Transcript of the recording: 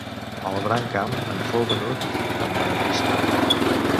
El brancam en fou venut amb benefici.